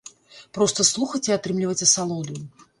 Проста слухаць і атрымліваць асалоду.